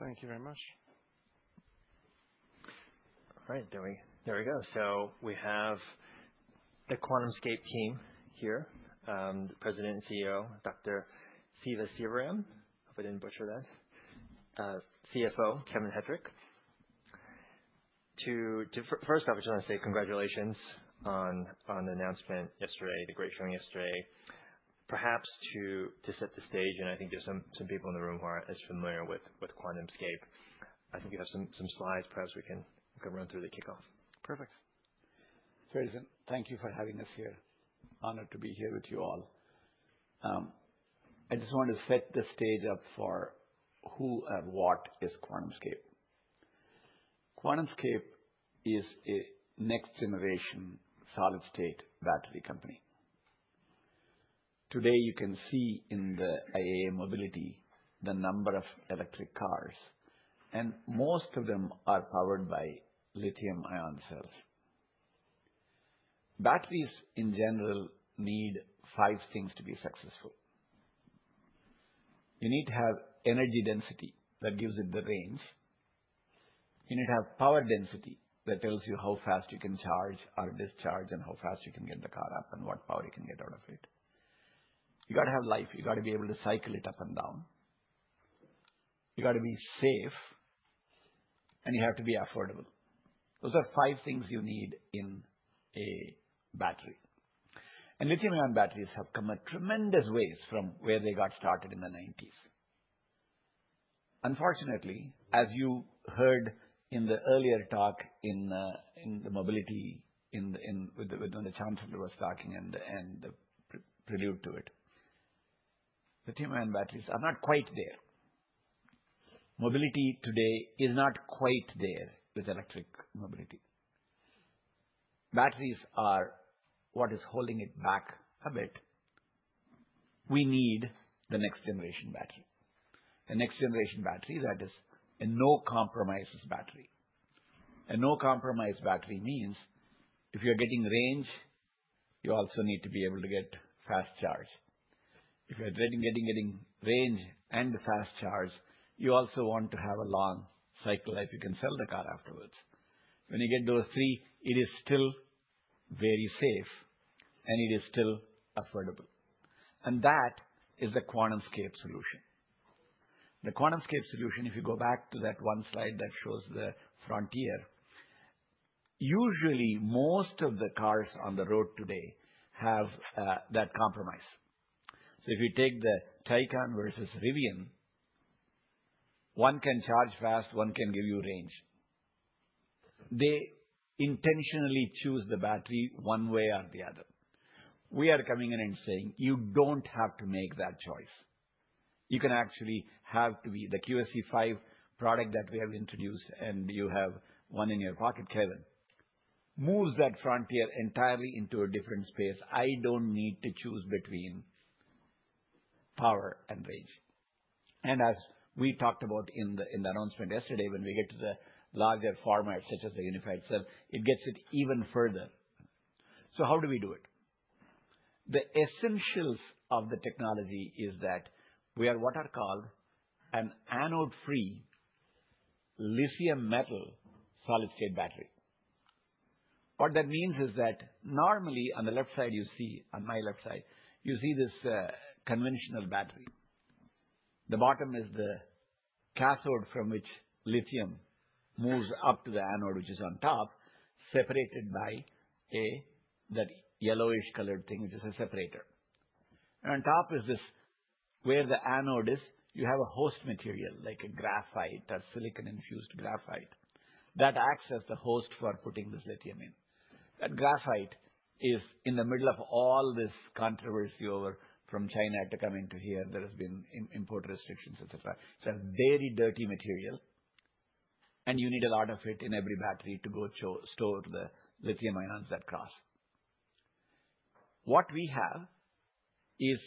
Thank you very much. All right, there we go. So we have the QuantumScape team here, the President and CEO, Dr. Siva Sivaram. Hope I didn't butcher that, CFO, Kevin Hettrich. To first off, I just wanna say congratulations on the announcement yesterday, the great showing yesterday. Perhaps to set the stage, and I think there's some people in the room who aren't as familiar with QuantumScape. I think you have some slides. Perhaps we can run through the kickoff. Perfect. Very good. Thank you for having us here. Honored to be here with you all. I just wanna set the stage up for who and what is QuantumScape. QuantumScape is a next-generation solid-state battery company. Today, you can see in the IAA Mobility the number of electric cars, and most of them are powered by lithium-ion cells. Batteries, in general, need five things to be successful. You need to have energy density that gives it the range. You need to have power density that tells you how fast you can charge or discharge, and how fast you can get the car up, and what power you can get out of it. You gotta have life. You gotta be able to cycle it up and down. You gotta be safe, and you have to be affordable. Those are five things you need in a battery. Lithium-ion batteries have come a tremendous way from where they got started in the '90s. Unfortunately, as you heard in the earlier talk in the mobility, when the chancellor was talking and the prelude to it, lithium-ion batteries are not quite there. Mobility today is not quite there with electric mobility. Batteries are what is holding it back a bit. We need the next-generation battery. A next-generation battery that is a no-compromises battery. A no-compromise battery means if you're getting range, you also need to be able to get fast charge. If you're getting range and the fast charge, you also want to have a long cycle life. You can sell the car afterwards. When you get those three, it is still very safe, and it is still affordable. That is the QuantumScape solution. The QuantumScape solution, if you go back to that one slide that shows the frontier, usually most of the cars on the road today have that compromise. So if you take the Taycan versus Rivian, one can charge fast; one can give you range. They intentionally choose the battery one way or the other. We are coming in and saying, "You don't have to make that choice. You can actually have to be the QSE-5 product that we have introduced, and you have one in your pocket, Kevin." [This] moves that frontier entirely into a different space. I don't need to choose between power and range. As we talked about in the announcement yesterday, when we get to the larger format such as the unified cell, it gets it even further. So how do we do it? The essentials of the technology is that we are what are called an anode-free lithium metal solid-state battery. What that means is that normally on the left side, you see, on my left side, you see this, conventional battery. The bottom is the cathode from which lithium moves up to the anode, which is on top, separated by a, that yellowish-colored thing, which is a separator, and on top is this where the anode is. You have a host material like a graphite or silicon-infused graphite that acts as the host for putting this lithium in. That graphite is in the middle of all this controversy over from China to come into here. There has been import restrictions, etc. So it's a very dirty material, and you need a lot of it in every battery to go store the lithium ions that cross. What we have is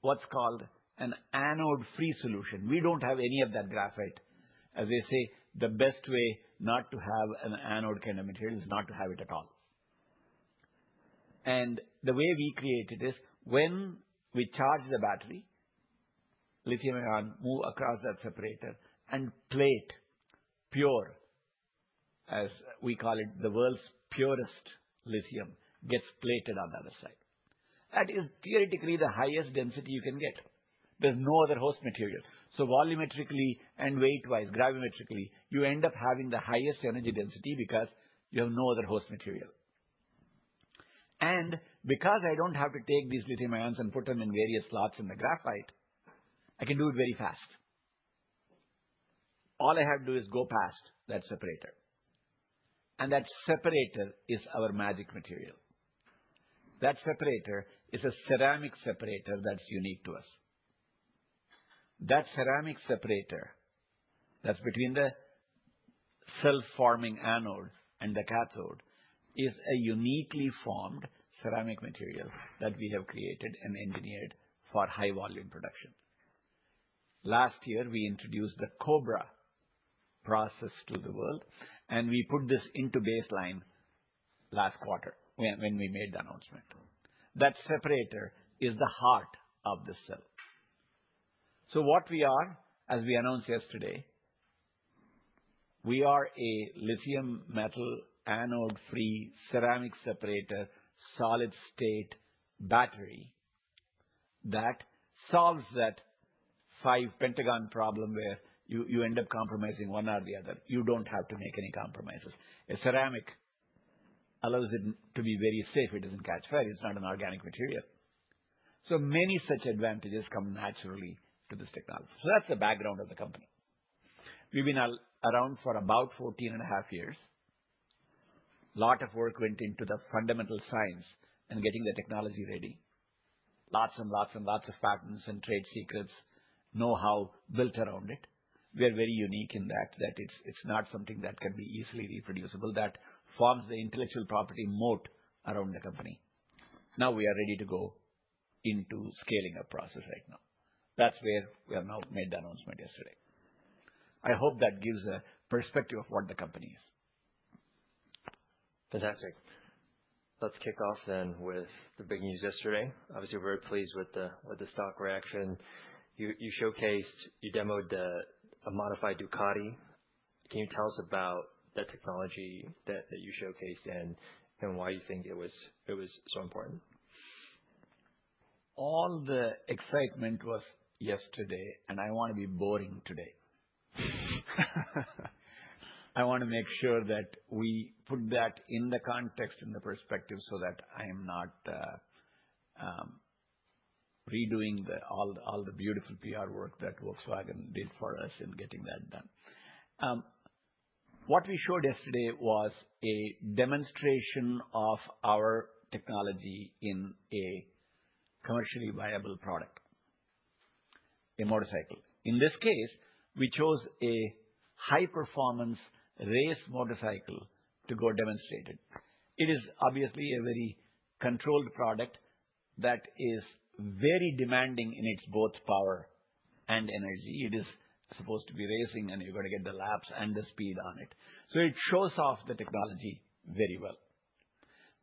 what's called an anode-free solution. We don't have any of that graphite. As they say, the best way not to have an anode kind of material is not to have it at all. And the way we create it is when we charge the battery, lithium ions move across that separator and plate pure, as we call it, the world's purest lithium gets plated on the other side. That is theoretically the highest density you can get. There's no other host material. So volumetrically and weight-wise, gravimetrically, you end up having the highest energy density because you have no other host material. And because I don't have to take these lithium ions and put them in various slots in the graphite, I can do it very fast. All I have to do is go past that separator. And that separator is our magic material. That separator is a ceramic separator that's unique to us. That ceramic separator that's between the cell-forming anode and the cathode is a uniquely formed ceramic material that we have created and engineered for high-volume production. Last year, we introduced the Cobra process to the world, and we put this into baseline last quarter when we made the announcement. That separator is the heart of the cell. So what we are, as we announced yesterday, we are a lithium metal anode-free ceramic separator solid-state battery that solves that five-pentagon problem where you end up compromising one or the other. You don't have to make any compromises. A ceramic allows it to be very safe. It doesn't catch fire. It's not an organic material. So many such advantages come naturally to this technology. So that's the background of the company. We've been around for about 14 and a half years. A lot of work went into the fundamental science and getting the technology ready. Lots and lots and lots of patents and trade secrets, know-how built around it. We are very unique in that it's not something that can be easily reproducible, that forms the intellectual property moat around the company. Now we are ready to go into scaling our process right now. That's where we have now made the announcement yesterday. I hope that gives a perspective of what the company is. Fantastic. Let's kick off then with the big news yesterday. Obviously, we're very pleased with the stock reaction. You showcased, you demoed a modified Ducati. Can you tell us about that technology that you showcased and why you think it was so important? All the excitement was yesterday, and I wanna be boring today. I wanna make sure that we put that in the context, in the perspective, so that I am not redoing all the beautiful PR work that Volkswagen did for us in getting that done. What we showed yesterday was a demonstration of our technology in a commercially viable product, a motorcycle. In this case, we chose a high-performance race motorcycle to go demonstrate it. It is obviously a very controlled product that is very demanding in its both power and energy. It is supposed to be racing, and you've gotta get the laps and the speed on it. So it shows off the technology very well.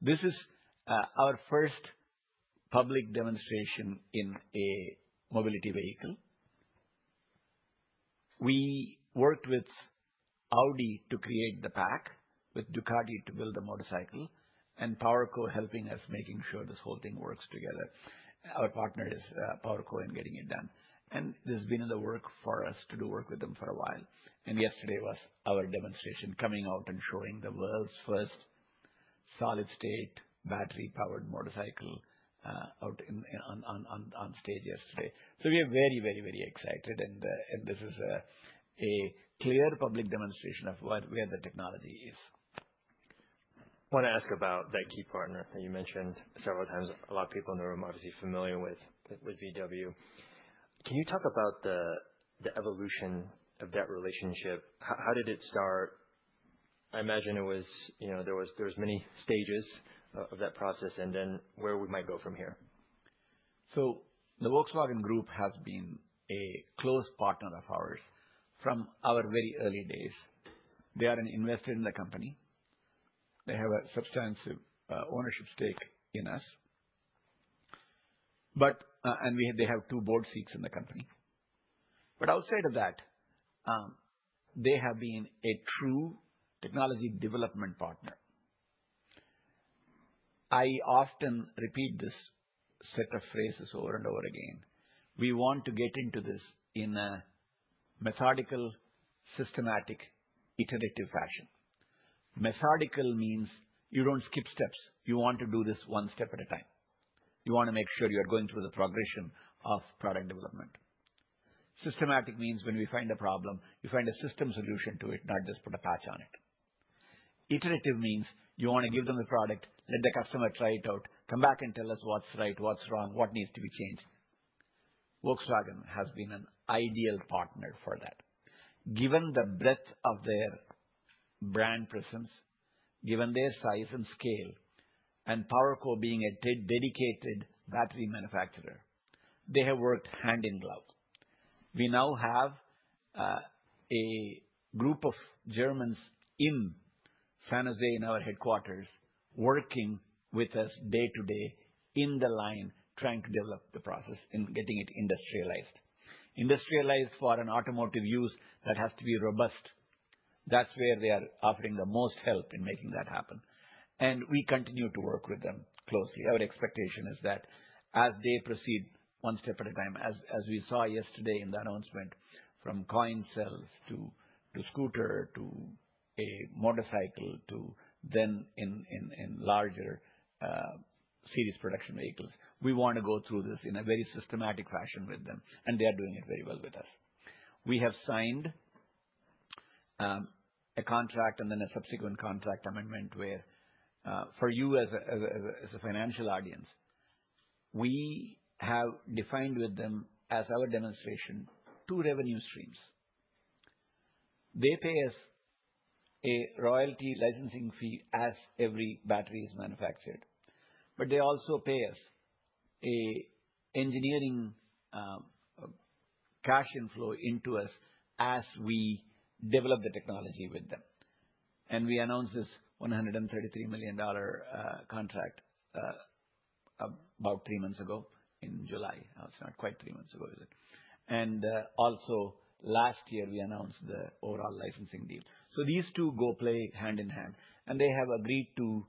This is our first public demonstration in a mobility vehicle. We worked with Audi to create the pack, with Ducati to build the motorcycle, and PowerCo helping us, making sure this whole thing works together. Our partner is PowerCo in getting it done. And there's been in the works for us to do work with them for a while. And yesterday was our demonstration coming out and showing the world's first solid-state battery-powered motorcycle out on stage yesterday. So we are very, very, very excited, and this is a clear public demonstration of what where the technology is. I wanna ask about that key partner that you mentioned several times. A lot of people in the room are obviously familiar with VW. Can you talk about the evolution of that relationship? How did it start? I imagine it was, you know, there was many stages of that process, and then where we might go from here. So the Volkswagen Group has been a close partner of ours from our very early days. They are an investor in the company. They have a substantive ownership stake in us. But and they have two board seats in the company. But outside of that, they have been a true technology development partner. I often repeat this set of phrases over and over again. We want to get into this in a methodical, systematic, iterative fashion. Methodical means you don't skip steps. You want to do this one step at a time. You wanna make sure you are going through the progression of product development. Systematic means when we find a problem, you find a system solution to it, not just put a patch on it. Iterative means you wanna give them the product, let the customer try it out, come back and tell us what's right, what's wrong, what needs to be changed. Volkswagen has been an ideal partner for that. Given the breadth of their brand presence, given their size and scale, and PowerCo being a dedicated battery manufacturer, they have worked hand in glove. We now have a group of Germans in San Jose in our headquarters working with us day-to-day on the line trying to develop the process and getting it industrialized. Industrialized for an automotive use that has to be robust. That's where they are offering the most help in making that happen, and we continue to work with them closely. Our expectation is that as they proceed one step at a time, as we saw yesterday in the announcement from coin cells to scooter to a motorcycle to then in larger series production vehicles, we wanna go through this in a very systematic fashion with them, and they are doing it very well with us. We have signed a contract and then a subsequent contract amendment where, for you as a financial audience, we have defined with them as our demonstration two revenue streams. They pay us a royalty licensing fee as every battery is manufactured, but they also pay us an engineering cash inflow into us as we develop the technology with them, and we announced this $133 million contract about three months ago in July. It's not quite three months ago, is it? Also last year, we announced the overall licensing deal. These two go hand in hand, and they have agreed to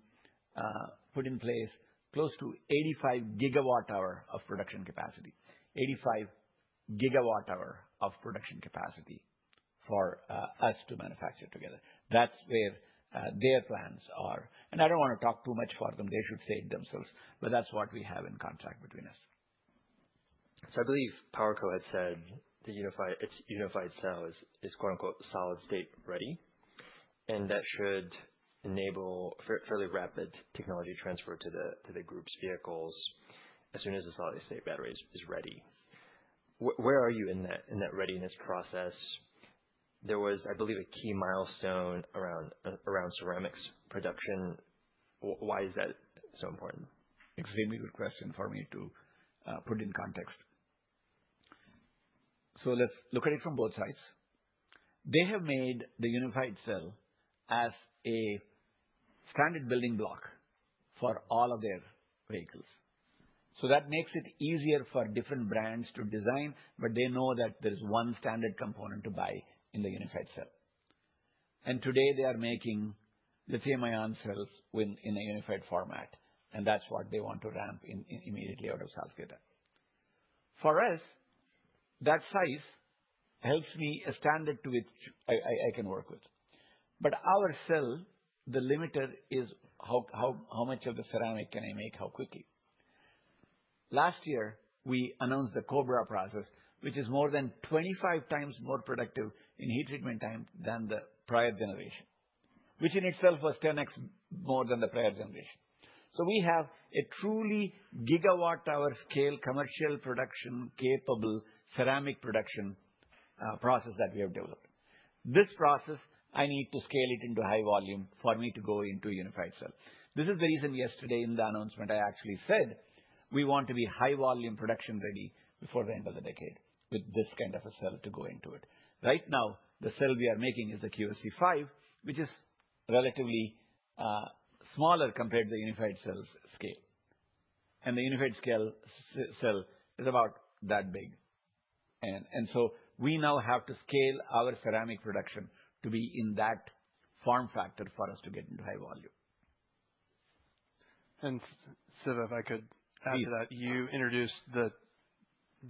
put in place close to 85 gigawatt-hour of production capacity for us to manufacture together. That's where their plans are. I don't wanna talk too much for them. They should say it themselves, but that's what we have in contract between us. I believe PowerCo had said the Unified Cell is "solid-state ready," and that should enable fairly rapid technology transfer to the group's vehicles as soon as the solid-state battery is ready. Where are you in that readiness process? There was, I believe, a key milestone around ceramics production. Why is that so important? Extremely good question for me to put in context, so let's look at it from both sides. They have made the Unified Cell as a standard building block for all of their vehicles, so that makes it easier for different brands to design, but they know that there's one standard component to buy in the Unified Cell. Today, they are making lithium-ion cells within a unified format, and that's what they want to ramp immediately out of Salzgitter. For us, that size helps me a standard to which I can work with. But our cell, the limiter is how much of the ceramic can I make how quickly? Last year, we announced the Cobra process, which is more than 25 times more productive in heat treatment time than the prior generation, which in itself was 10x more than the prior generation. So we have a truly gigawatt-hour scale commercial production-capable ceramic production process that we have developed. This process, I need to scale it into high volume for me to go into Unified Cell. This is the reason yesterday in the announcement, I actually said we want to be high volume production ready before the end of the decade with this kind of a cell to go into it. Right now, the cell we are making is the QSE-5, which is relatively smaller compared to the Unified Cell's scale. And the Unified scale cell is about that big. And so we now have to scale our ceramic production to be in that form factor for us to get into high volume. And Siva, if I could add to that. Yeah. You introduced the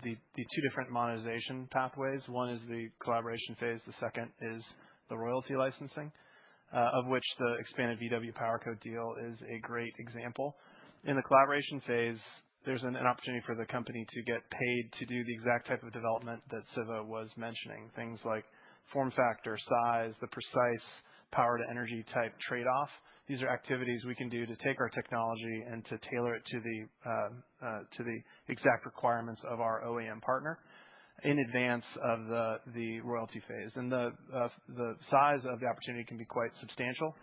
two different monetization pathways. One is the collaboration phase. The second is the royalty licensing, of which the expanded VW PowerCo deal is a great example. In the collaboration phase, there's an opportunity for the company to get paid to do the exact type of development that Siva was mentioning, things like form factor, size, the precise power-to-energy type trade-off. These are activities we can do to take our technology and to tailor it to the exact requirements of our OEM partner in advance of the royalty phase. The size of the opportunity can be quite substantial.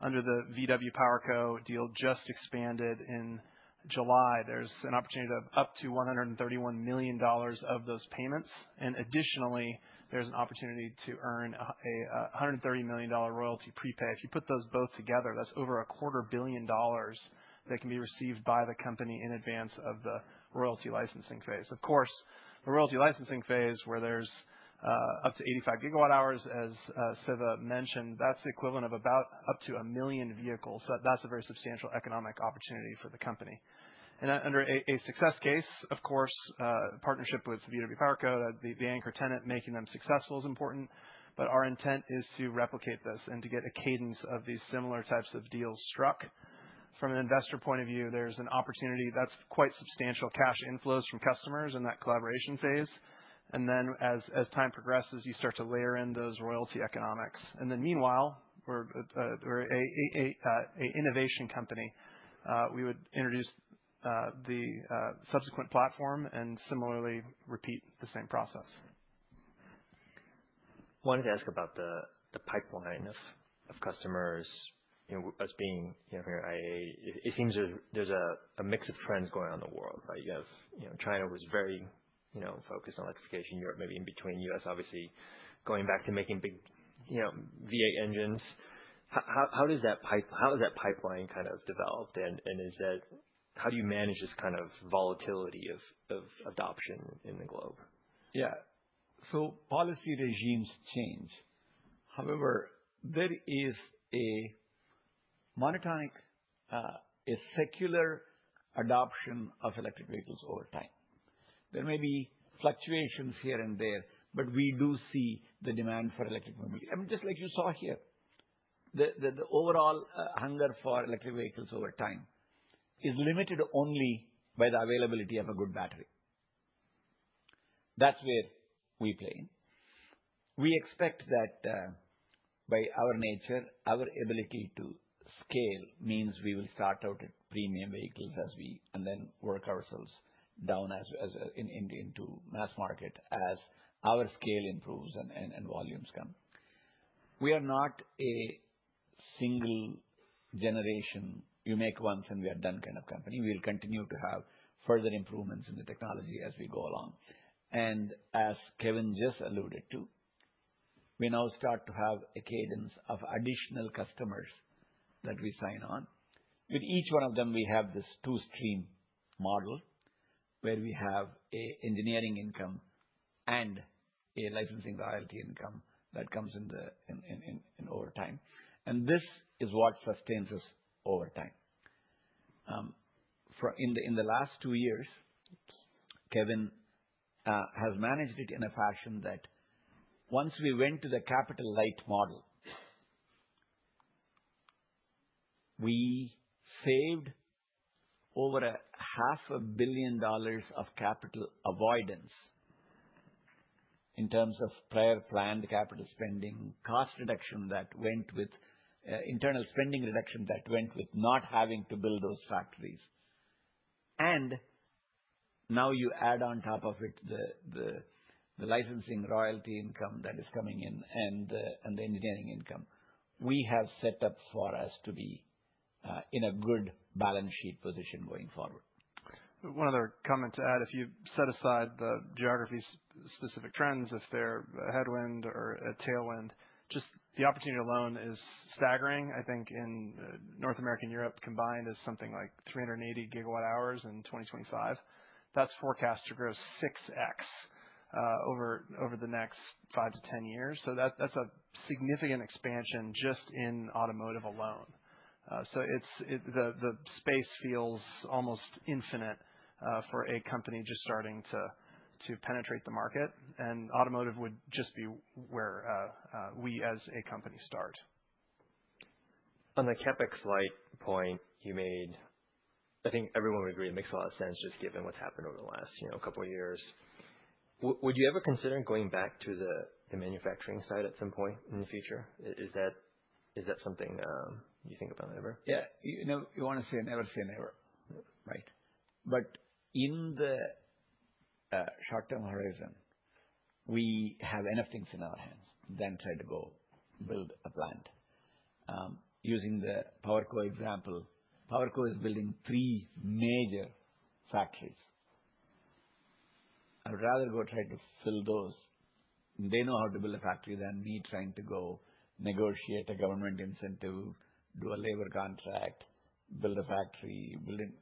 Under the VW PowerCo deal just expanded in July, there's an opportunity to have up to $131 million of those payments. Additionally, there's an opportunity to earn a $130 million royalty prepay. If you put those both together, that's over $250 million that can be received by the company in advance of the royalty licensing phase. Of course, the royalty licensing phase where there's up to 85 GWh, as Siva mentioned, that's the equivalent of about up to a million vehicles. So that's a very substantial economic opportunity for the company. And under a success case, of course, partnership with VW PowerCo, the anchor tenant making them successful is important. But our intent is to replicate this and to get a cadence of these similar types of deals struck. From an investor point of view, there's an opportunity that's quite substantial cash inflows from customers in that collaboration phase. And then as time progresses, you start to layer in those royalty economics. And then meanwhile, we're an innovation company. We would introduce the subsequent platform and similarly repeat the same process. I wanted to ask about the pipeline of customers, you know, as being, you know, here IAA. It seems there's a mix of trends going on in the world, right? You have, you know, China was very, you know, focused on electrification, Europe maybe in between, U.S. obviously going back to making big, you know, V8 engines. How has that pipeline kind of developed? And is that how do you manage this kind of volatility of adoption in the globe? Yeah. So policy regimes change. However, there is a monotonic, a secular adoption of electric vehicles over time. There may be fluctuations here and there, but we do see the demand for electric vehicles. I mean, just like you saw here, the overall hunger for electric vehicles over time is limited only by the availability of a good battery. That's where we play in. We expect that, by our nature, our ability to scale means we will start out at premium vehicles as we and then work ourselves down into mass market as our scale improves and volumes come. We are not a single-generation, you make once and we are done kind of company. We'll continue to have further improvements in the technology as we go along. As Kevin just alluded to, we now start to have a cadence of additional customers that we sign on. With each one of them, we have this two-stream model where we have engineering income and a licensing royalty income that comes in over time. And this is what sustains us over time. For, in the last two years, Kevin has managed it in a fashion that once we went to the capital light model, we saved over $500 million of capital avoidance in terms of prior planned capital spending, cost reduction that went with internal spending reduction that went with not having to build those factories. And now you add on top of it the licensing royalty income that is coming in and the engineering income. We have set up for us to be in a good balance sheet position going forward. One other comment to add. If you set aside the geography-specific trends, if they're a headwind or a tailwind, just the opportunity alone is staggering. I think in North America and Europe combined is something like 380 GWh in 2025. That's forecast to grow 6x over the next 5 to 10 years. So that's a significant expansion just in automotive alone. So it's the space feels almost infinite for a company just starting to penetrate the market. And automotive would just be where we as a company start. On the CapEx light point you made, I think everyone would agree it makes a lot of sense just given what's happened over the last, you know, couple of years. Would you ever consider going back to the manufacturing side at some point in the future? Is that something you think about ever? Yeah. You never wanna say never say never, right? But in the short-term horizon, we have enough things in our hands than try to go build a plant. Using the PowerCo example, PowerCo is building three major factories. I'd rather go try to fill those. They know how to build a factory than me trying to go negotiate a government incentive, do a labor contract, build a factory, build an,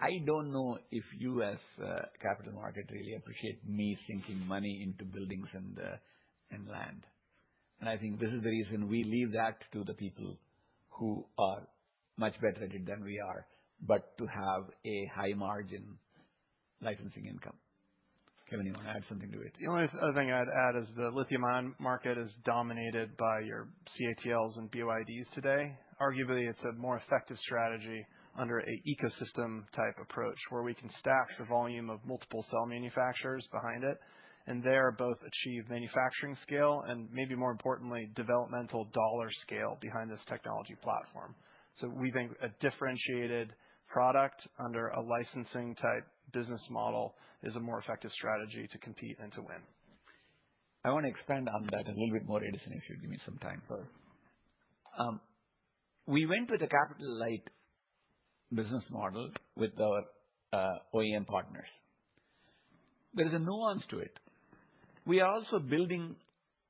I don't know if you, as capital markets, really appreciate me sinking money into buildings and land. And I think this is the reason we leave that to the people who are much better at it than we are, but to have a high-margin licensing income. Kevin, you wanna add something to it? The only other thing I'd add is the lithium-ion market is dominated by your CATLs and BYDs today. Arguably, it's a more effective strategy under a ecosystem-type approach where we can stack the volume of multiple cell manufacturers behind it, and there both achieve manufacturing scale and maybe more importantly, developmental dollar scale behind this technology platform. So we think a differentiated product under a licensing-type business model is a more effective strategy to compete and to win. I wanna expand on that a little bit more, Edison, if you'd give me some time. We went with a capital light business model with our OEM partners. There is a nuance to it. We are also building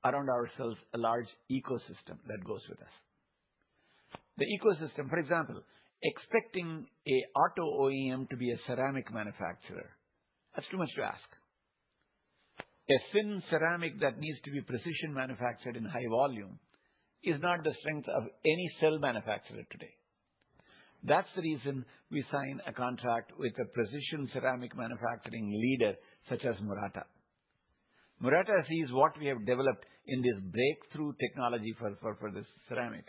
around ourselves a large ecosystem that goes with us. The ecosystem, for example, expecting an auto OEM to be a ceramic manufacturer, that's too much to ask. A thin ceramic that needs to be precision manufactured in high volume is not the strength of any cell manufacturer today. That's the reason we sign a contract with a precision ceramic manufacturing leader such as Murata. Murata sees what we have developed in this breakthrough technology for this ceramic.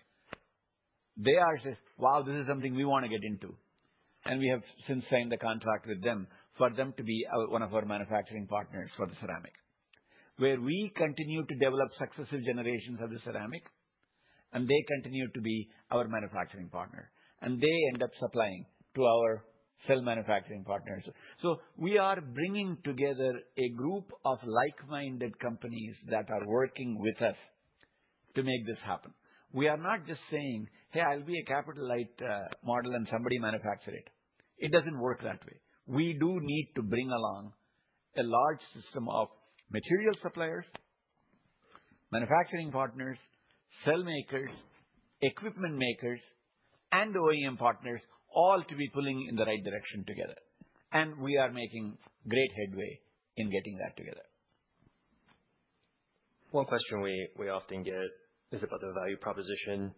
They are saying, "Wow, this is something we wanna get into." We have since signed the contract with them for them to be one of our manufacturing partners for the ceramic, where we continue to develop successive generations of the ceramic, and they continue to be our manufacturing partner. They end up supplying to our cell manufacturing partners. We are bringing together a group of like-minded companies that are working with us to make this happen. We are not just saying, "Hey, I'll be a capital-light model and somebody manufacture it." It doesn't work that way. We do need to bring along a large system of material suppliers, manufacturing partners, cell makers, equipment makers, and OEM partners all to be pulling in the right direction together. We are making great headway in getting that together. One question we often get is about the value proposition.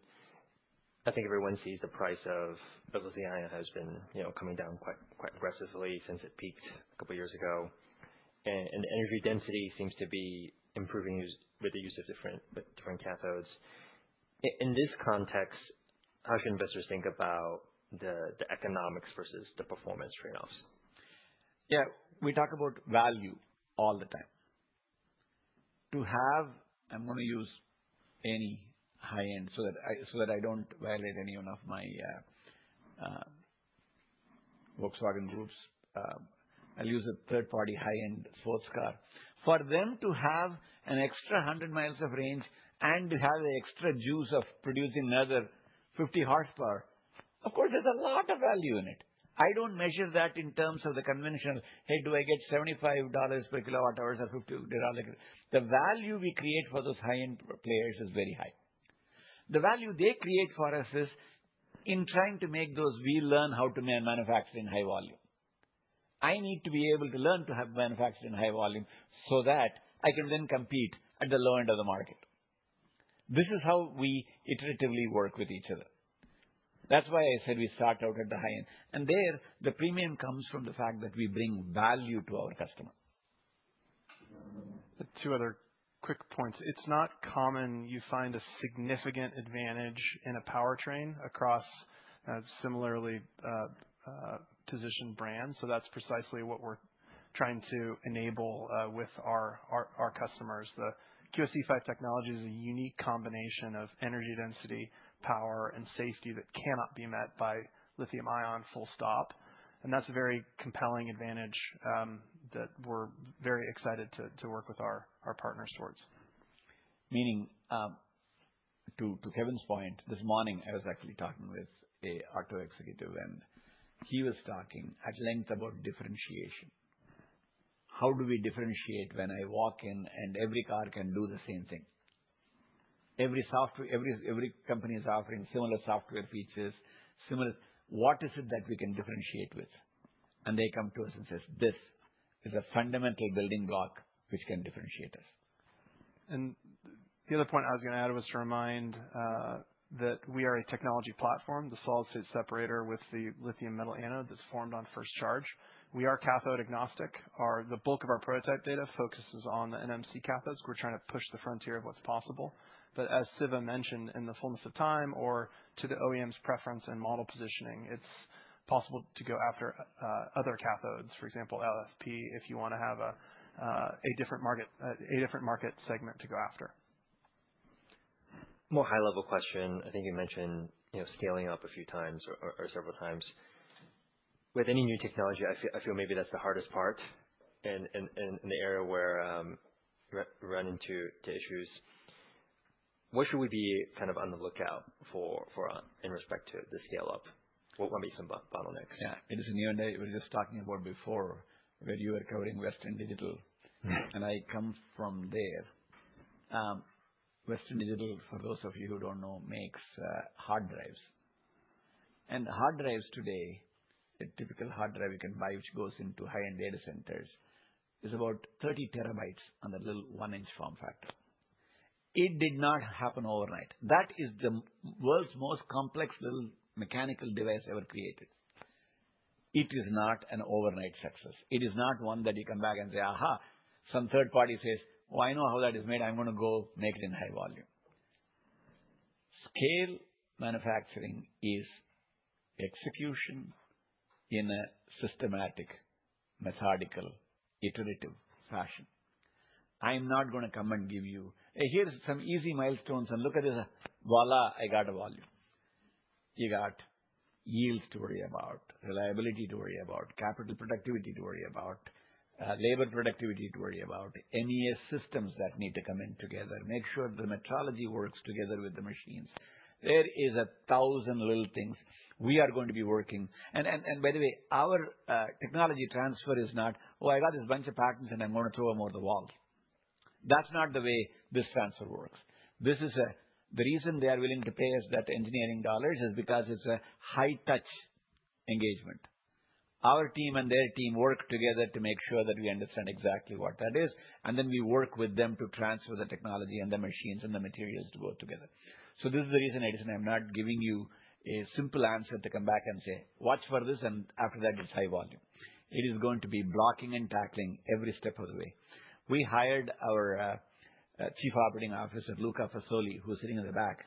I think everyone sees the price of the lithium-ion has been, you know, coming down quite aggressively since it peaked a couple of years ago, and energy density seems to be improving with the use of different cathodes. In this context, how should investors think about the economics versus the performance trade-offs? Yeah. We talk about value all the time. I'm gonna use a high-end so that I don't violate any one of my Volkswagen Group's. I'll use a third-party high-end sports car. For them to have an extra 100 miles of range and to have an extra juice of producing another 50 horsepower, of course, there's a lot of value in it. I don't measure that in terms of the conventional, "Hey, do I get $75 per kilowatt-hour or $50?" The value we create for those high-end players is very high. The value they create for us is in trying to make those. We learn how to manufacture in high volume. I need to be able to learn to manufacture in high volume so that I can then compete at the low end of the market. This is how we iteratively work with each other. That's why I said we start out at the high-end, and there, the premium comes from the fact that we bring value to our customer. Two other quick points. It's not common you find a significant advantage in a powertrain across similarly positioned brands. So that's precisely what we're trying to enable, with our customers. The QSE-5 technology is a unique combination of energy density, power, and safety that cannot be met by lithium-ion. Full stop. And that's a very compelling advantage, that we're very excited to work with our partners towards. Meaning, to Kevin's point, this morning, I was actually talking with an auto executive, and he was talking at length about differentiation. How do we differentiate when I walk in and every car can do the same thing? Every software, every company is offering similar software features, similar what is it that we can differentiate with? And they come to us and say, "This is a fundamental building block which can differentiate us. The other point I was gonna add was to remind that we are a technology platform, the solid-state separator with the lithium metal anode that's formed on first charge. We are cathode agnostic. Of the bulk of our prototype data focuses on the NMC cathodes. We're trying to push the frontier of what's possible. But as Siva mentioned in the fullness of time or to the OEM's preference and model positioning, it's possible to go after other cathodes, for example, LFP, if you wanna have a different market segment to go after. More high-level question. I think you mentioned, you know, scaling up a few times or several times. With any new technology, I feel maybe that's the hardest part and the area where you run into issues. What should we be kind of on the lookout for in respect to the scale-up? What might be some bottlenecks? Yeah. It is a new and I was just talking about before where you were covering Western Digital. And I come from there. Western Digital, for those of you who don't know, makes hard drives. And hard drives today, a typical hard drive you can buy which goes into high-end data centers is about 30 terabytes on that little one-inch form factor. It did not happen overnight. That is the world's most complex little mechanical device ever created. It is not an overnight success. It is not one that you come back and say, "Aha." Some third party says, "Well, I know how that is made. I'm gonna go make it in high volume." Scale manufacturing is execution in a systematic, methodical, iterative fashion. I'm not gonna come and give you, "Hey, here's some easy milestones, and look at this. Voilà, I got a volume." You got yields to worry about, reliability to worry about, capital productivity to worry about, labor productivity to worry about, MES systems that need to come in together, make sure the metrology works together with the machines. There is a thousand little things we are going to be working. And, and, and by the way, our, technology transfer is not, "Oh, I got this bunch of patents, and I'm gonna throw them over the walls." That's not the way this transfer works. This is the reason they are willing to pay us that engineering dollars is because it's a high-touch engagement. Our team and their team work together to make sure that we understand exactly what that is. And then we work with them to transfer the technology and the machines and the materials to go together. This is the reason, Edison, I'm not giving you a simple answer to come back and say, "Watch for this," and after that, it's high volume. It is going to be blocking and tackling every step of the way. We hired our Chief Operating Officer Luca Fasoli, who's sitting in the back,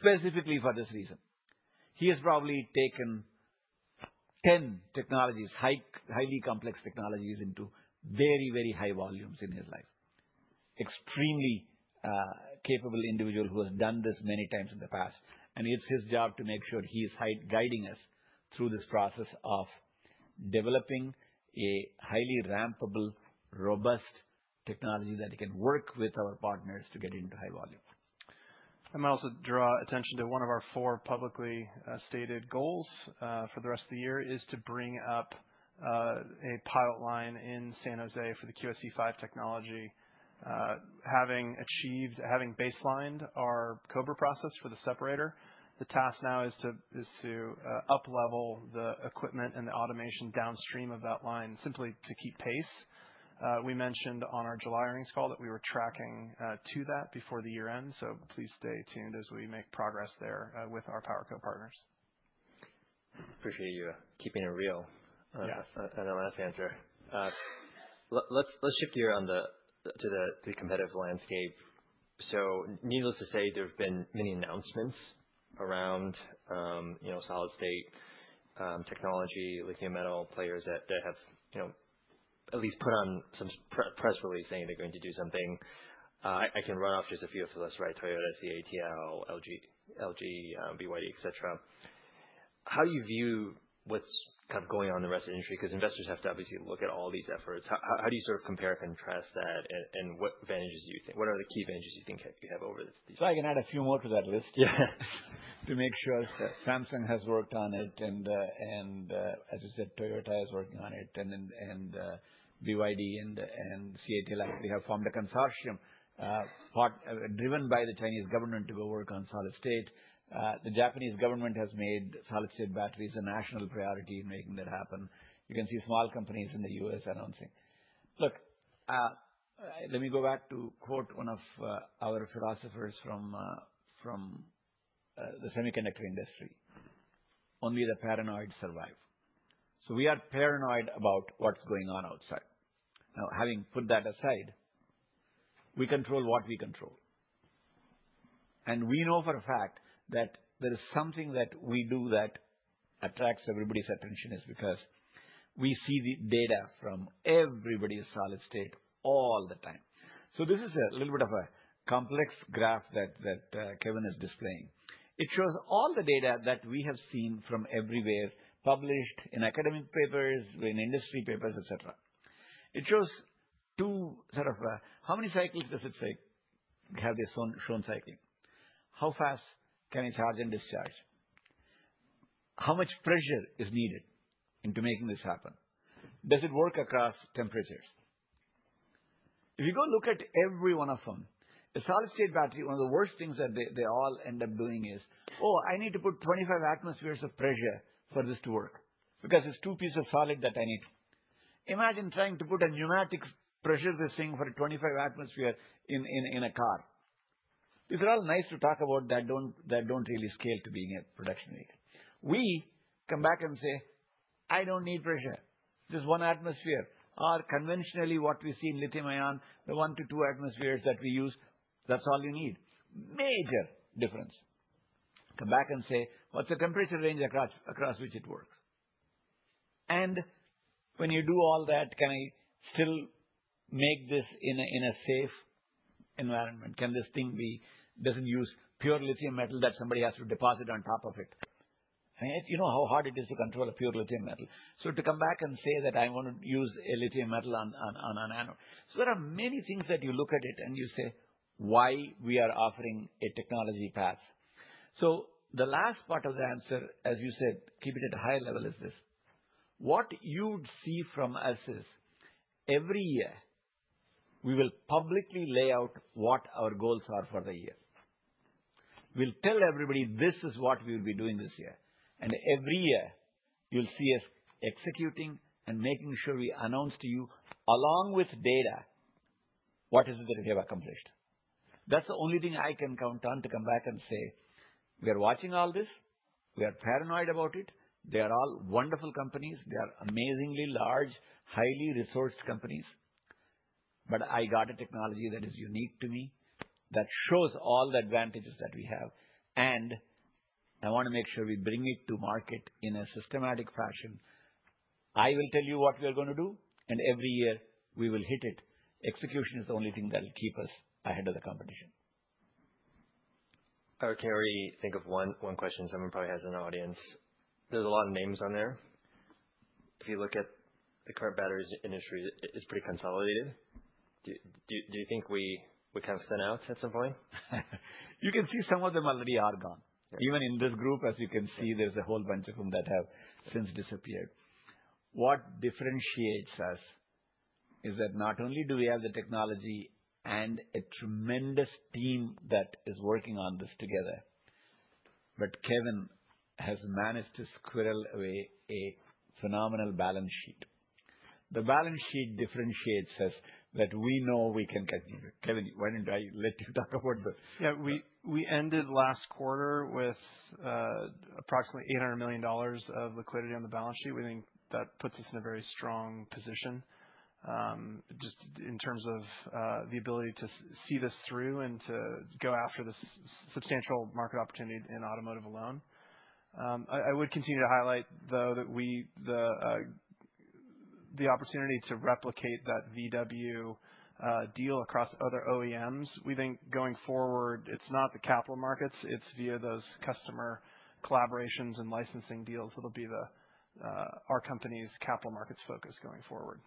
specifically for this reason. He has probably taken 10 technologies, highly complex technologies into very, very high volumes in his life. Extremely capable individual who has done this many times in the past. It's his job to make sure he's guiding us through this process of developing a highly rampable, robust technology that can work with our partners to get into high volume. I might also draw attention to one of our four publicly stated goals for the rest of the year is to bring up a pilot line in San Jose for the QSE-5 technology, having achieved baselined our Cobra process for the separator. The task now is to up-level the equipment and the automation downstream of that line simply to keep pace. We mentioned on our July earnings call that we were tracking to that before the year end. So please stay tuned as we make progress there with our PowerCo partners. Appreciate you, keeping it real. Yeah. And a last answer. Let's shift gear to the competitive landscape. So needless to say, there've been many announcements around, you know, solid-state technology, lithium-metal players that have, you know, at least put on some pre-press release saying they're going to do something. I can run off just a few of the list, right? Toyota, CATL, LG, LG, BYD, etc. How do you view what's kind of going on in the rest of the industry? 'Cause investors have to obviously look at all these efforts. How do you sort of compare and contrast that? And what advantages do you think, what are the key advantages you think you have over these. So I can add a few more to that list, yeah, to make sure Samsung has worked on it and, as you said, Toyota is working on it, and BYD and CATL actually have formed a consortium, partly driven by the Chinese government to go work on solid-state. The Japanese government has made solid-state batteries a national priority in making that happen. You can see small companies in the US announcing, "Look, let me go back to quote one of our philosophers from the semiconductor industry, 'Only the paranoid survive.'" So we are paranoid about what's going on outside. Now, having put that aside, we control what we control. And we know for a fact that there is something that we do that attracts everybody's attention is because we see the data from everybody's solid-state all the time. So this is a little bit of a complex graph that Kevin is displaying. It shows all the data that we have seen from everywhere published in academic papers, in industry papers, etc. It shows two sort of, how many cycles does it take? Have they shown cycling? How fast can it charge and discharge? How much pressure is needed into making this happen? Does it work across temperatures? If you go look at every one of them, a solid-state battery, one of the worst things that they all end up doing is, "Oh, I need to put 25 atmospheres of pressure for this to work because it's two pieces of solid that I need." Imagine trying to put a pneumatic pressure-resisting for 25 atmospheres in a car. These are all nice to talk about that don't really scale to being a production vehicle. We come back and say, "I don't need pressure. Just one atmosphere." Or conventionally, what we see in lithium-ion, the one to two atmospheres that we use, that's all you need. Major difference. Come back and say, "What's the temperature range across which it works?" And when you do all that, can I still make this in a safe environment? Can this thing be doesn't use pure lithium metal that somebody has to deposit on top of it? I mean, you know how hard it is to control a pure lithium metal. So to come back and say that I wanna use a lithium metal on an anode. There are many things that you look at it and you say, "Why we are offering a technology path?" The last part of the answer, as you said, keep it at a high level, is this: what you'd see from us is every year, we will publicly lay out what our goals are for the year. We'll tell everybody, "This is what we'll be doing this year." Every year, you'll see us executing and making sure we announce to you along with data what is it that we have accomplished. That's the only thing I can count on to come back and say, "We are watching all this. We are paranoid about it. They are all wonderful companies. They are amazingly large, highly resourced companies. But I got a technology that is unique to me that shows all the advantages that we have. And I wanna make sure we bring it to market in a systematic fashion. I will tell you what we are gonna do, and every year, we will hit it. Execution is the only thing that'll keep us ahead of the competition. I would care to think of one question someone probably has in the audience. There's a lot of names on there. If you look at the current batteries industry, it's pretty consolidated. Do you think we kind of thin out at some point? You can see some of them already are gone. Even in this group, as you can see, there's a whole bunch of them that have since disappeared. What differentiates us is that not only do we have the technology and a tremendous team that is working on this together, but Kevin has managed to squirrel away a phenomenal balance sheet. The balance sheet differentiates us that we know we can continue. Kevin, why didn't I let you talk about this? Yeah. We ended last quarter with approximately $800 million of liquidity on the balance sheet. We think that puts us in a very strong position, just in terms of the ability to see this through and to go after this substantial market opportunity in automotive alone. I would continue to highlight, though, that the opportunity to replicate that VW deal across other OEMs. We think going forward, it's not the capital markets. It's via those customer collaborations and licensing deals that'll be our company's capital markets focus going forward.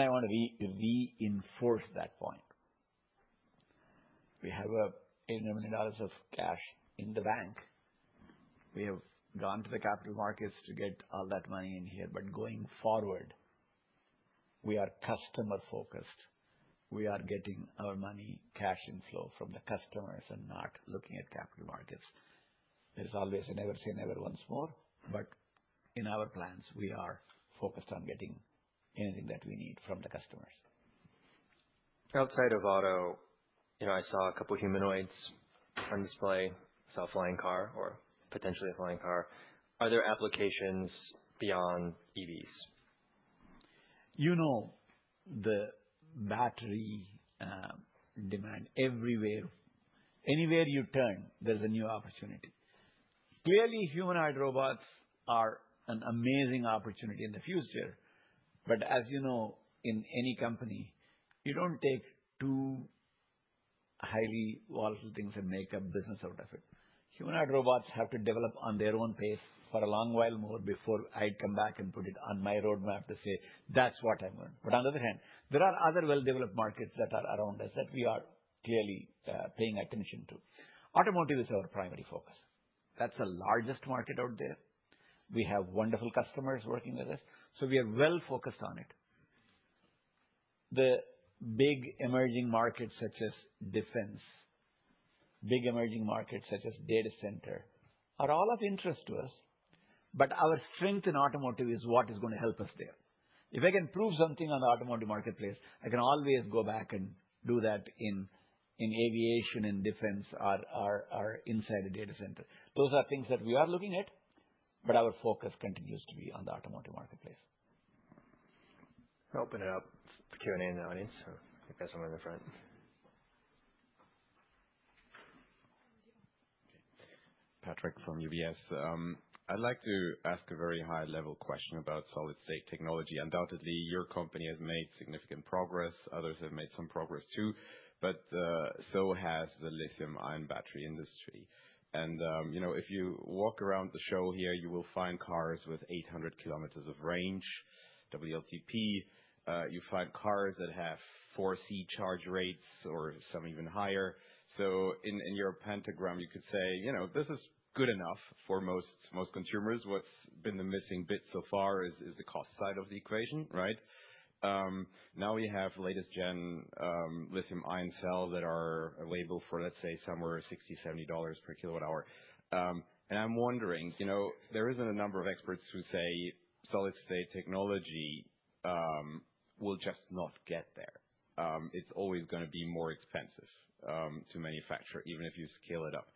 I wanna reinforce that point. We have $800 million of cash in the bank. We have gone to the capital markets to get all that money in here. But going forward, we are customer-focused. We are getting our money cash inflow from the customers and not looking at capital markets. There's always a never say never once more. But in our plans, we are focused on getting anything that we need from the customers. Outside of auto, you know, I saw a couple of humanoids on display, saw a flying car or potentially a flying car. Are there applications beyond EVs? You know, the battery demand everywhere. Anywhere you turn, there's a new opportunity. Clearly, humanoid robots are an amazing opportunity in the future. But as you know, in any company, you don't take two highly volatile things and make a business out of it. Humanoid robots have to develop on their own pace for a long while more before I come back and put it on my roadmap to say, "That's what I'm going to." But on the other hand, there are other well-developed markets that are around us that we are clearly paying attention to. Automotive is our primary focus. That's the largest market out there. We have wonderful customers working with us. So we are well focused on it. The big emerging markets such as defense, big emerging markets such as data center are all of interest to us. But our strength in automotive is what is gonna help us there. If I can prove something on the automotive marketplace, I can always go back and do that in aviation, in defense, or inside a data center. Those are things that we are looking at. But our focus continues to be on the automotive marketplace. I'll open it up for Q&A in the audience, so if you guys wanna go first. Okay. Patrick from UBS. I'd like to ask a very high-level question about solid-state technology. Undoubtedly, your company has made significant progress. Others have made some progress too. But, so has the lithium-ion battery industry. And, you know, if you walk around the show here, you will find cars with 800 km of range, WLTP. You find cars that have 4C charge rates or some even higher. So in your pentagon, you could say, you know, this is good enough for most consumers. What's been the missing bit so far is the cost side of the equation, right? Now we have latest-gen, lithium-ion cells that are available for, let's say, somewhere $60-$70 per kilowatt-hour. And I'm wondering, you know, there isn't a number of experts who say solid-state technology will just not get there. It's always gonna be more expensive to manufacture, even if you scale it up.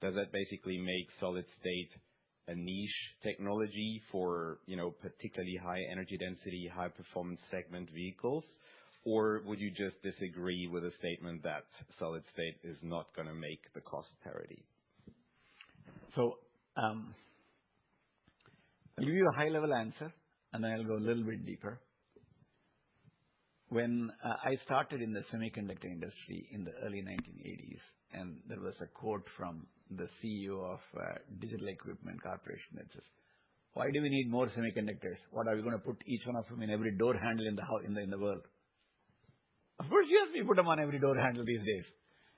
Does that basically make solid-state a niche technology for, you know, particularly high-energy density, high-performance segment vehicles? Or would you just disagree with the statement that solid-state is not gonna make the cost parity? I'll give you a high-level answer, and then I'll go a little bit deeper. When I started in the semiconductor industry in the early 1980s, and there was a quote from the CEO of Digital Equipment Corporation that says, "Why do we need more semiconductors? What are we gonna put each one of them in every door handle in the home in the world?" Of course, yes, we put them on every door handle these days.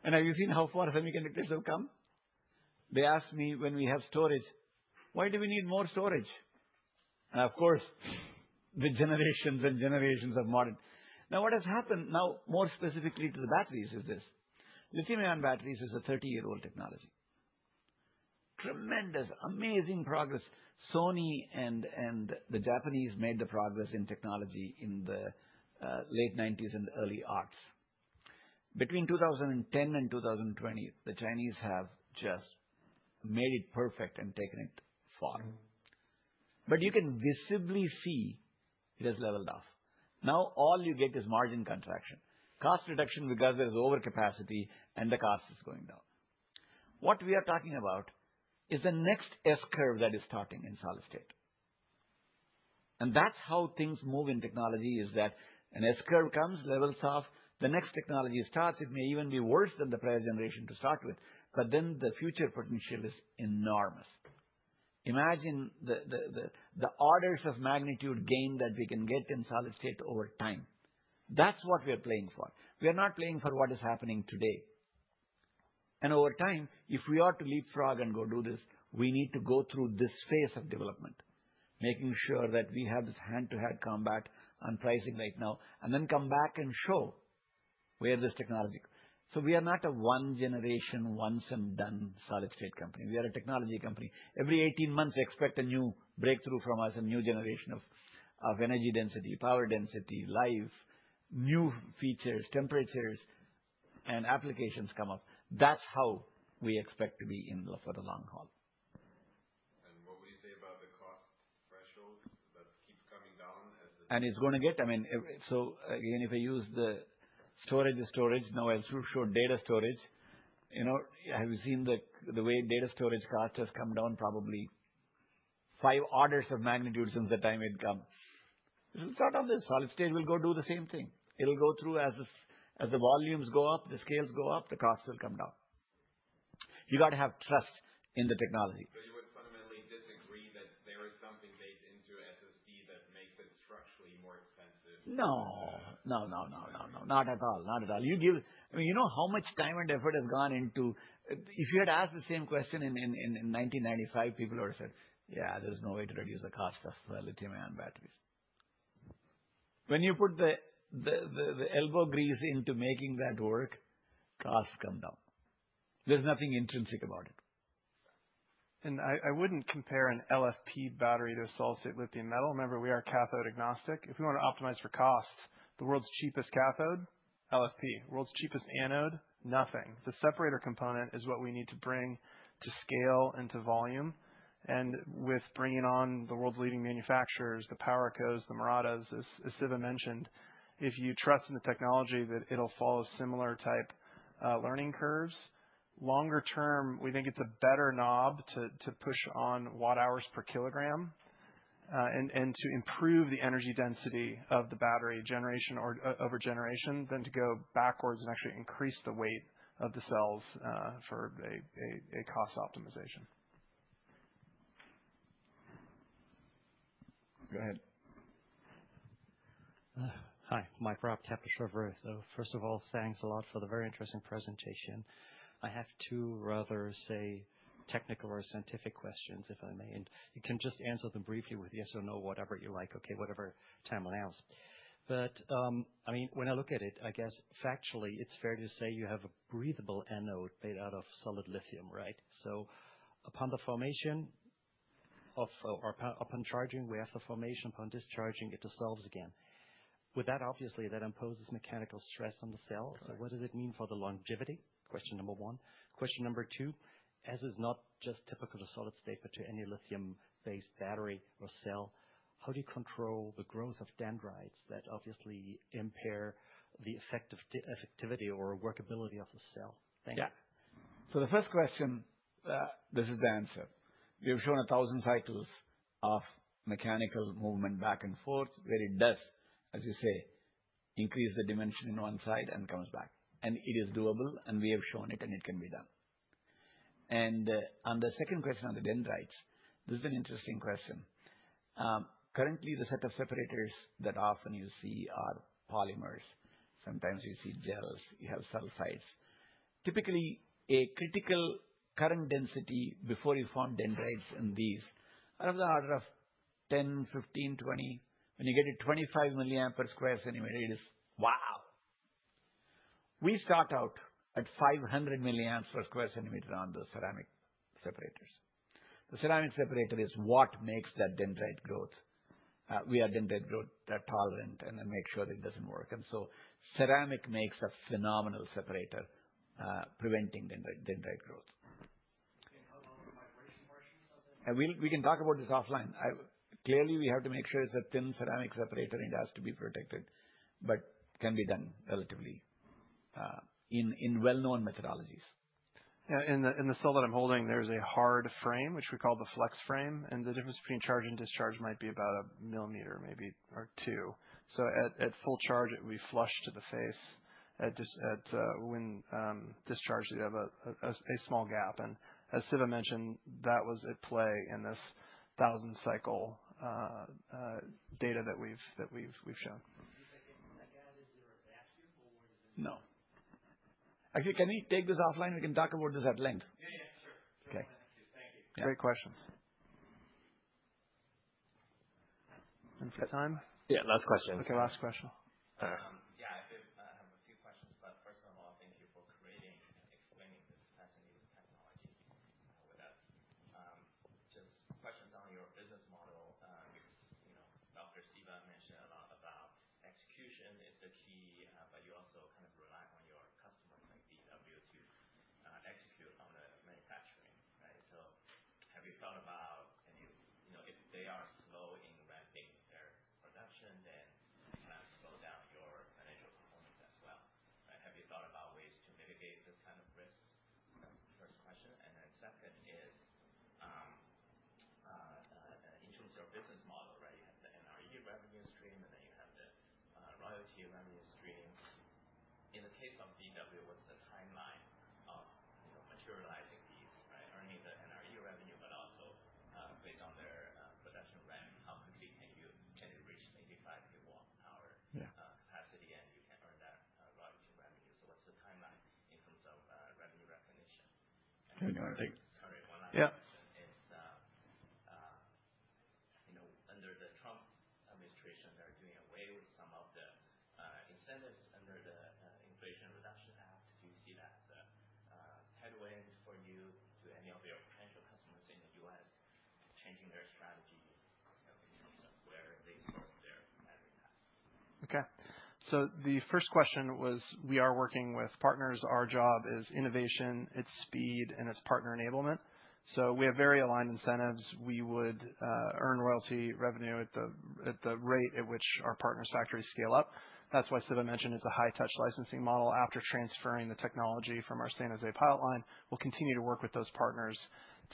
Have you seen how far semiconductors have come? They asked me when we have storage, "Why do we need more storage?" Of course, the generations and generations of modern now, what has happened now, more specifically to the batteries, is this: lithium-ion batteries is a 30-year-old technology. Tremendous, amazing progress. Sony and the Japanese made the progress in technology in the late 1990s and early 2000s. Between 2010 and 2020, the Chinese have just made it perfect and taken it far. But you can visibly see it has leveled off. Now, all you get is margin contraction, cost reduction because there's overcapacity and the cost is going down. What we are talking about is the next S-curve that is starting in solid-state. And that's how things move in technology is that an S-curve comes, levels off. The next technology starts. It may even be worse than the prior generation to start with. But then the future potential is enormous. Imagine the orders of magnitude gain that we can get in solid-state over time. That's what we are playing for. We are not playing for what is happening today. Over time, if we are to leapfrog and go do this, we need to go through this phase of development, making sure that we have this hand-to-hand combat on pricing right now, and then come back and show where this technology so we are not a one-generation, once-and-done solid-state company. We are a technology company. Every 18 months, expect a new breakthrough from us, a new generation of energy density, power density, life, new features, temperatures, and applications come up. That's how we expect to be in it for the long haul. What would you say about the cost threshold that keeps coming down as the? And it's gonna get, I mean, if so again, if I use the storage as storage, now I'll throw in data storage. You know, have you seen the way data storage cost has come down? Probably five orders of magnitude since the time it comes. If we start on this solid-state, we'll go do the same thing. It'll go through the same as the volumes go up, the scales go up, the costs will come down. You gotta have trust in the technology. So you would fundamentally disagree that there is something baked into SSD that makes it structurally more expensive? No. No, no, no, no, no. Not at all. Not at all. I mean, you know how much time and effort has gone into it. If you had asked the same question in 1995, people would have said, "Yeah, there's no way to reduce the cost of lithium-ion batteries." When you put the elbow grease into making that work, costs come down. There's nothing intrinsic about it. I wouldn't compare an LFP battery to a solid-state lithium metal. Remember, we are cathode-agnostic. If we wanna optimize for cost, the world's cheapest cathode, LFP. World's cheapest anode, nothing. The separator component is what we need to bring to scale and to volume. With bringing on the world's leading manufacturers, the PowerCos, the Muratas, as Siva mentioned, if you trust in the technology, that it'll follow similar type learning curves. Longer term, we think it's a better knob to push on watt-hours per kilogram, and to improve the energy density of the battery generation over generation than to go backwards and actually increase the weight of the cells, for a cost optimization. Go ahead. Hi. I'm Professor Patrick Schwarzer. First of all, thanks a lot for the very interesting presentation. I have two rather say technical or scientific questions, if I may. You can just answer them briefly with yes or no, whatever you like, okay? Whatever time allows. But, I mean, when I look at it, I guess factually, it's fair to say you have a breathable anode made out of solid lithium, right? So upon the formation of or upon charging, we have the formation. Upon discharging, it dissolves again. Would that obviously impose mechanical stress on the cell? Correct. What does it mean for the longevity? Question number one. Question number two, which is not just typical to solid-state but to any lithium-based battery or cell, how do you control the growth of dendrites that obviously impair the effectivity or workability of the cell? Thank you. Yeah. So the first question, this is the answer. We have shown a thousand cycles of mechanical movement back and forth where it does, as you say, increase the dimension in one side and comes back. And it is doable, and we have shown it, and it can be done. And, on the second question on the dendrites, this is an interesting question. Currently, the set of separators that often you see are polymers. Sometimes you see gels. You have cell sizes. Typically, a critical current density before you form dendrites in these are of the order of 10, 15, 20. When you get to 25 milliamp per square centimeter, it is wow. We start out at 500 milliamps per square centimeter on the ceramic separators. The ceramic separator is what makes that dendrite growth, via dendrite growth, tolerant and then make sure that it doesn't work. Ceramic makes a phenomenal separator, preventing dendrite growth. How long the migration portion of it? We'll, we can talk about this offline. I clearly, we have to make sure it's a thin ceramic separator, and it has to be protected. But can be done relatively in well-known methodologies. Yeah. In the cell that I'm holding, there's a hard frame, which we call the FlexFrame. And the difference between charge and discharge might be about a millimeter, maybe, or two. So at full charge, it would be flush to the face. At discharge, you have a small gap. And as Siva mentioned, that was at play in this thousand-cycle data that we've shown. Do you think anyone like that? Is there a vacuum or is it? No. I think, can we take this offline? We can talk about this at length. Yeah, yeah. Sure. Okay. Thank you. Thank you. Great questions and for time? Yeah. Last question. Okay. Last question. All is, you know, under the Trump administration, they're doing away with some of the incentives under the Inflation Reduction Act. Do you see that as a headwind for you to any of your potential customers in the U.S. changing their strategy, you know, in terms of where they source their battery packs? Okay. So the first question was, we are working with partners. Our job is innovation. It's speed, and it's partner enablement. So we have very aligned incentives. We would earn royalty revenue at the rate at which our partner's factories scale up. That's why Siva mentioned it's a high-touch licensing model. After transferring the technology from our San Jose pilot line, we'll continue to work with those partners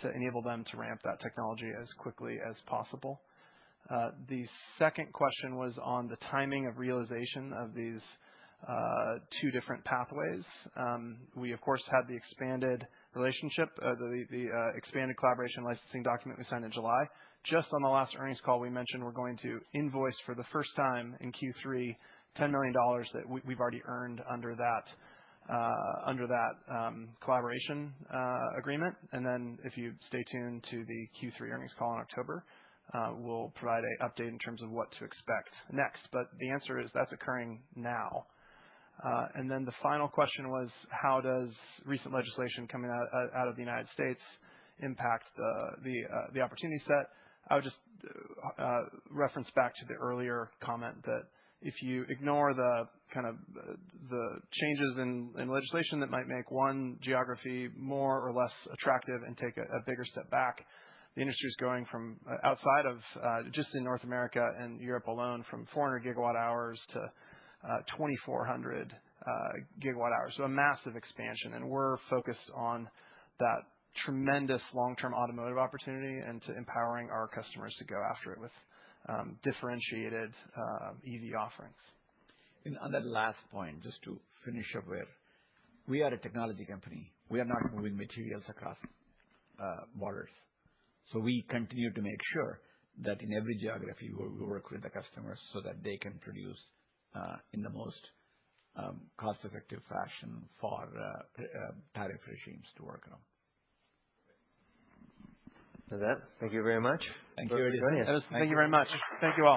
to enable them to ramp that technology as quickly as possible. The second question was on the timing of realization of these two different pathways. We, of course, had the expanded relationship, the expanded collaboration licensing document we signed in July. Just on the last earnings call, we mentioned we're going to invoice for the first time in Q3 $10 million that we've already earned under that collaboration agreement. And then if you stay tuned to the Q3 earnings call in October, we'll provide an update in terms of what to expect next, but the answer is that's occurring now. Then the final question was, how does recent legislation coming out of the United States impact the opportunity set? I would just reference back to the earlier comment that if you ignore the kind of the changes in legislation that might make one geography more or less attractive and take a bigger step back, the industry's going from outside of just in North America and Europe alone, from 400 GWh to 2,400 GWh. So a massive expansion. We're focused on that tremendous long-term automotive opportunity and to empowering our customers to go after it with differentiated EV offerings. On that last point, just to finish up, we are a technology company. We are not moving materials across borders. We continue to make sure that in every geography, we'll work with the customers so that they can produce in the most cost-effective fashion for pre-tariff regimes to work around. Okay. That's it. Thank you very much. Thank you for joining us. It was thank you very much. Thank you all.